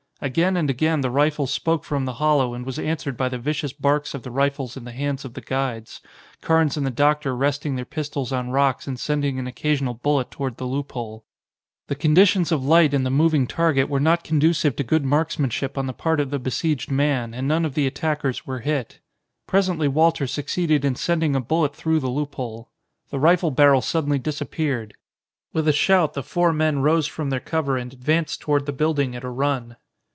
Again and again the rifle spoke from the hollow and was answered by the vicious barks of the rifles in the hands of the guides, Carnes and the doctor resting their pistols on rocks and sending an occasional bullet toward the loophole. The conditions of light and the moving target were not conducive to good marksmanship on the part of the besieged man, and none of the attackers were hit. Presently Walter succeeded in sending a bullet through the loophole. The rifle barrel suddenly disappeared. With a shout the four men rose from their cover and advanced toward the building at a run.